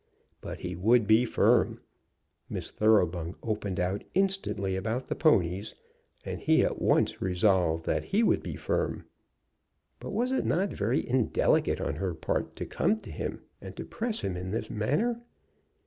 But he would be firm. Miss Thoroughbung opened out instantly about the ponies, and he at once resolved that he would be firm. But was it not very indelicate on her part to come to him and to press him in this manner?